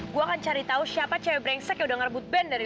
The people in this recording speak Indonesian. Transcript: gua akan cari tahu siapa cewek brengsek udah ngarebut ben dari